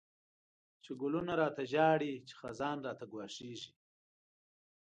چی گلونه را ته ژاړی، چی خزان راته گواښیږی